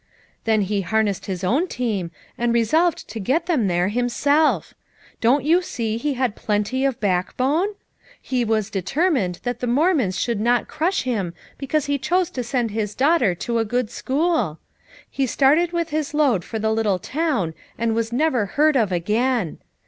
Then he harnessed his own team and resolved to get them there himself. Don't you see he had plenty of backbone? He was determined that the Mormons should not crush him be cause he chose to send his daughter to a good school. He started with his load for the little town and was never heard of again!